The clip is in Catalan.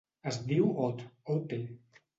Es diu Ot: o, te.